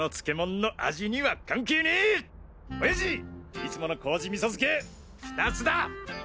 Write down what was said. いつものこうじ味噌漬け２つだ！